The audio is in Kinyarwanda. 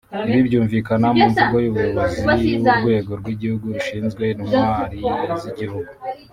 Ibi byumvikana mu mvugo y’umuyobozi w’Urwego rw’Igihugu rushinzwe Intwari z’Igihugu